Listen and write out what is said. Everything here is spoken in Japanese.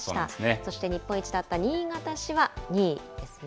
そして日本一だった新潟市が２位ですね。